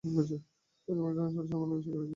Facebook এ ধরনের চর্চা সম্পূর্ণভাবে অস্বীকার করেছে।